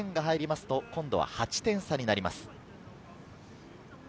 ３点が入ると、今度は８点差になります。